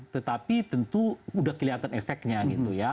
tetapi tentu sudah kelihatan efeknya gitu ya